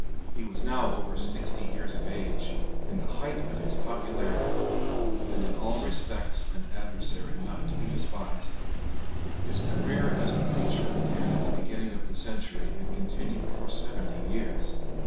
He was now over sixty years of age, in the height of his popularity, and in all respects an adversary not to be despised. His career as a preacher began at the beginning of the century and continued for seventy years.